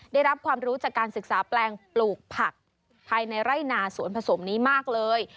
ได้รับความรู้จากการศึกษาแปลงปลูกผักภายในไร่นาสวนผสมนี้มากเลย